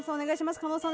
加納さん